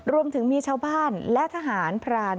รวมถึงมีชาวบ้านและทหารพราน